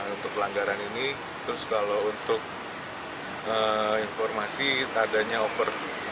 untuk pelanggaran ini terus kalau untuk informasi adanya over